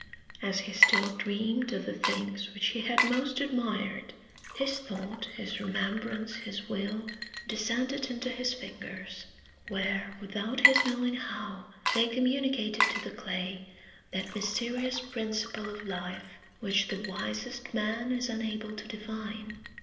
III As he still dreamed of the things which he had most admired, his thought, his remembrance, his will, descended into his fingers, where without his knowing how they communicated to the clay that mysterious principle of life which the wisest man is unable to define.